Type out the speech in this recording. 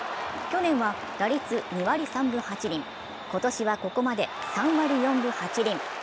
去年は打率２割３分８厘、今年はここまで３割４分８厘。